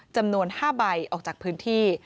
จำนวน๕ใบออกจากพื้นที่